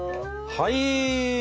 はい！